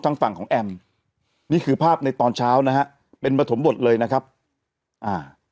ทางฝั่งของแอมนี่คือภาพในตอนเช้านะฮะเป็นปฐมบทเลยนะครับอ่า